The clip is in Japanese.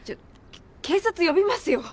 警察呼びますよ。